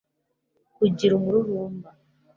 kugira umururumba